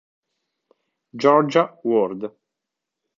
Georgia Ward